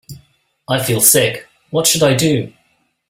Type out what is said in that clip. I feel sick, what should I do?